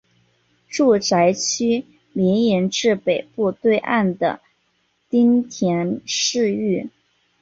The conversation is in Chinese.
住宅区绵延至北部对岸的町田市域。